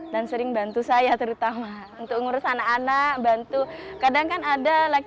di lingkup keluarga besar